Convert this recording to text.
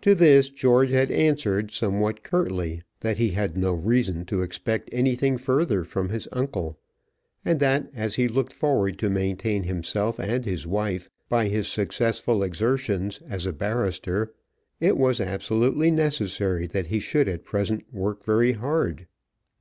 To this George had answered, somewhat curtly, that he had no reason to expect anything further from his uncle; and that as he looked forward to maintain himself and his wife by his successful exertions as a barrister, it was absolutely necessary that he should at present work very hard.